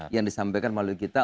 yang disampaikan melalui kita